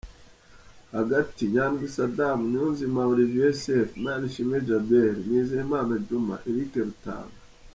Hagati: Nyandwi Saddam, Niyonzima Olivier Sefu, Manishimwe Djabel, Nizeyimana Djuma, Eric Rutanga .